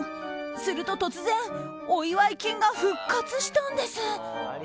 すると突然、お祝い金が復活したんです。